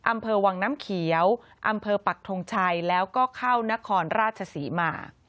อำเภอวังน้ำเขียวอำเภอปักทงชัยแล้วก็เข้านครราชศรีมา